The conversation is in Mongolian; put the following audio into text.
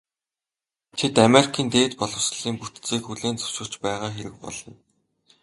Тэд Америкийн дээд боловсролын бүтцийг хүлээн зөвшөөрч байгаа хэрэг болно.